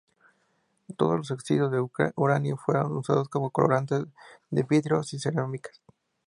Todos los óxidos de uranio fueron usados como colorantes de vidrios y cerámicas.